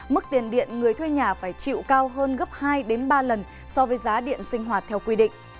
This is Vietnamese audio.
mức tiền điện người thuê nhà phải chịu cao hơn gấp hai ba lần so với giá điện sinh hoạt theo quy định